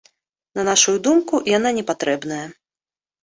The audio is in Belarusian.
На нашую думку, яна непатрэбная.